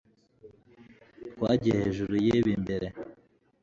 Twagiye hejuru yibi mbere